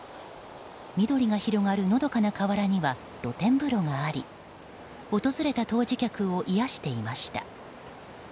緑が広がるのどかな河原には露天風呂があり訪れた湯治客を癒やしていました。